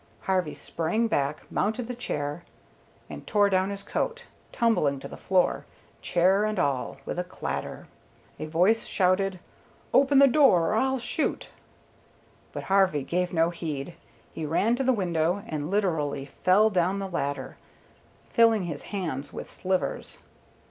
Harvey sprang back, mounted the chair, and tore down his coat, tumbling to the floor, chair and all, with a clatter. A voice shouted, "Open the door, or I'll shoot!" but Harvey gave no heed. He ran to the window and literally fell down the ladder, filling his hands with slivers.